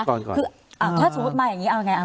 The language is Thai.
ก่อนก่อนคืออ่าถ้าสมมุติมาอย่างงี้เอาไงอ่า